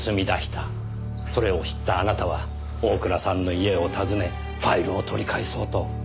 それを知ったあなたは大倉さんの家を訪ねファイルを取り返そうと。